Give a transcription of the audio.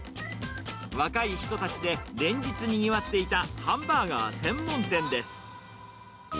若い人たちで連日にぎわっていたハンバーガー専門店です。